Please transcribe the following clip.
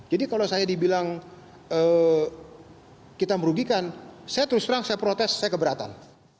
jadi kalau saya dibilang kita merugikan saya terus terang saya protes saya keberatan